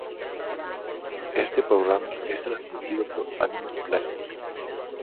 Este programa es transmitido por Animal Planet.